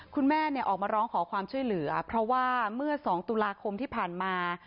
คุณแม่ออกมาร้องขอความช่วยเหลือเพราะว่าเมื่อ๒ตุลาคมที่ผ่านมา